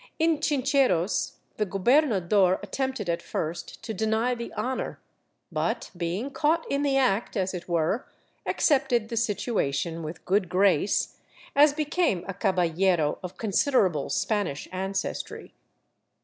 | In Chincheros the gobernador attempted at first to deny the honor,* but being caught in the act, as it were, accepted the situation with good grace, as became a caballero of considerable Spanish ancestry.